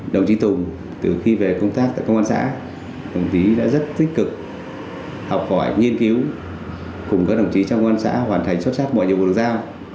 đồng chí tùng từ khi về công tác tại công an xã đồng chí đã rất tích cực học hỏi nghiên cứu cùng các đồng chí trong công an xã hoàn thành xuất sắc mọi nhiệm vụ được giao